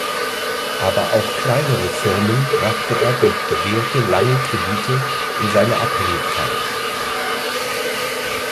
Aber auch kleinere Firmen brachte er durch gewährte lange Kredite in seine Abhängigkeit.